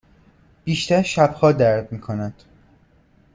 بیشتر شبها درد می کند.